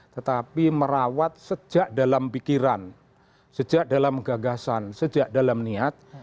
tetapi merawat sejak dalam pikiran sejak dalam gagasan sejak dalam niat